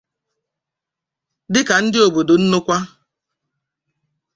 dịka ndị obodo Nnokwa